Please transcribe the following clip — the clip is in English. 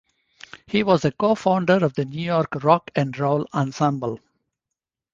He was a co-founder of the New York Rock and Roll Ensemble.